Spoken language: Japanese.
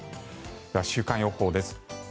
では週間予報です。